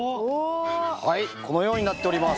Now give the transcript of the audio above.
はいこのようになっております。